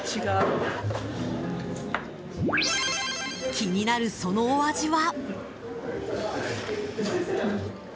気になるそのお味は。